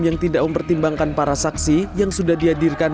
yang tidak mempertimbangkan para saksi yang sudah dihadirkan